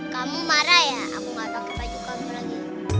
kamu marah ya aku nggak pakai baju kamu lagi